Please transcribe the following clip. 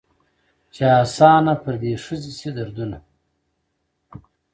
چي آسانه پر دې ښځي سي دردونه